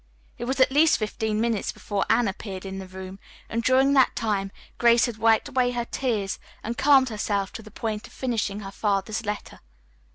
It was at least fifteen minutes before Anne appeared in the room, and during that time Grace had wiped away her tears and calmed herself to the point of finishing her father's letter.